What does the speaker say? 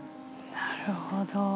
なるほど。